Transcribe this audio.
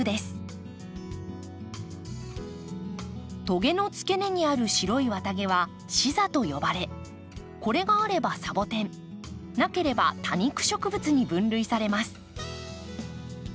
トゲの付け根にある白い綿毛は刺座と呼ばれこれがあればサボテンなければ多肉植物に分類されます。